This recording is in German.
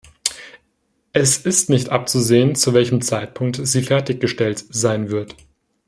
Es ist nicht abzusehen, zu welchem Zeitpunkt sie fertig gestellt sein wird.